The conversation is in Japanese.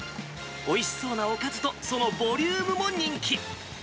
おいしそうなおかずとそのボリュームも人気。